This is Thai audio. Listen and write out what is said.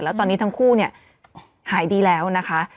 แล้วตอนนี้ทั้งคู่เนี่ยหายดีแล้วนะคะ